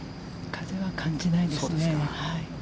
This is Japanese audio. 風は感じないですね。